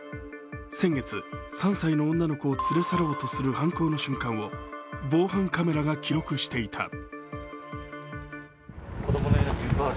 先月、３歳の女の子を連れ去ろうとする犯行の瞬間を防犯カメラが記録していた。